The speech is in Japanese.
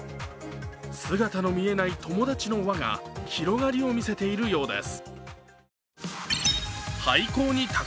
姿の見えない友達の輪が広がりを見せているようです。